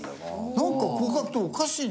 なんかこう書くとおかしいね。